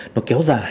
nó kéo dài